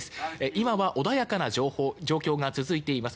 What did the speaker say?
今は穏やかな状況が続いています。